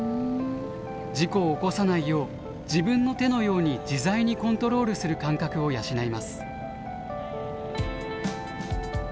事故を起こさないよう自分の手のように自在にコントロールする感覚を養います。